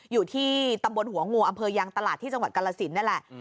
อยู่ที่ตำบลหัวงูอำเภอยางตลาดที่จังหวัดกาลสินนั่นแหละ